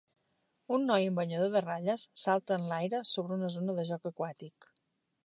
Un noi amb banyador de ratlles salta en l'aire sobre una zona de joc aquàtic.